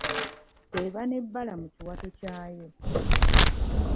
Eba n’ebbala mu kiwato kyayo.